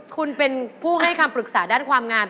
คุณเป็นผู้ให้คำปรึกษาด้านความงาม